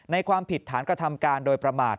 ความผิดฐานกระทำการโดยประมาท